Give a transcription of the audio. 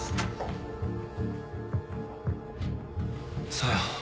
小夜